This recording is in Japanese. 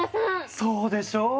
そうでしょう！